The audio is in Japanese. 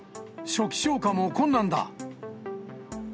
初期消火も困難だ。